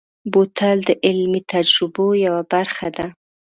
بوتل د علمي تجربو یوه برخه ده.